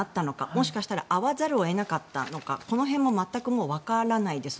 もしかしたら会わざるを得なかったのかこの辺も全くわからないです。